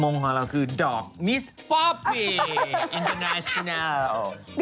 มงของเราคือดอกมิสป๊อปปิอินเตอร์นาชินัล